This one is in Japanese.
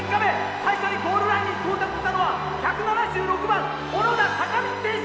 最初にゴールラインに到着したのは１７６番小野田坂道選手！